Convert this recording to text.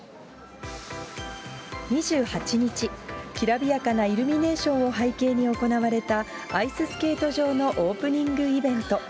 ２８日、きらびやかなイルミネーションを背景に行われた、アイススケート場のオープニングイベント。